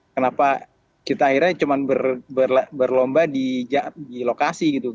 kenapa kita akhirnya cuma berlomba di lokasi gitu